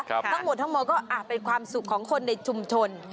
ทั้งหมดทั้งหมดก็เป็นความสุขของคนในชุมชน